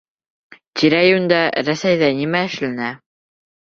Тирә-йүндә, Рәсәйҙә нимә эшләнә?